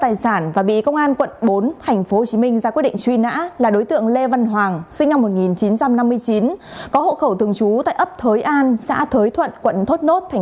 hãy đăng ký kênh để ủng hộ kênh của chúng mình nhé